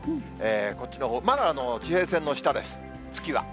こっちのほう、まだ地平線の下です、月は。